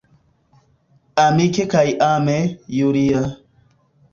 Amike kaj ame, Julia.